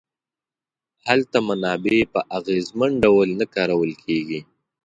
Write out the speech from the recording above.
هلته منابع په اغېزمن ډول نه کارول کیږي.